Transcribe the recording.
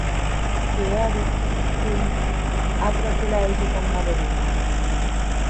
Qué ère, donc, aquerò que la hège tan malerosa?